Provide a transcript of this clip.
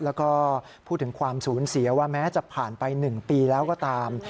แล้วก็พูดถึงความสูญเสียว่าแม้จะผ่านไป๑ปีแล้วก็ตาม